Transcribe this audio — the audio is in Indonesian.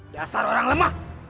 dasar orang lemah